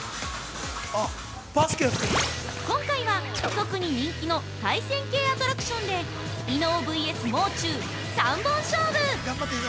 今回は、特に人気の対戦系アトラクションで伊野尾ＶＳもう中、三本勝負！